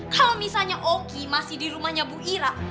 kalau misalnya oki masih di rumahnya bu ira